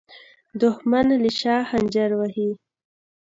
دښمن له شا خنجر وهي